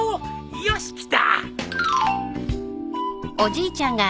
よしきた。